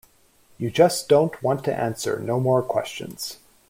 You just don't want to answer no more questions.